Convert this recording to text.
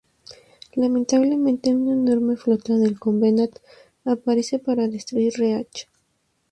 Lamentablemente una enorme flota del Covenant aparece para destruir Reach.